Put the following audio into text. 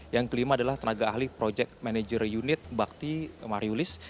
yang kelima adalah tenaga ahli project manager unit bakti mariulis